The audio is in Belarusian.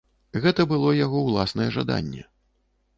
Гэта было яго ўласнае жаданне.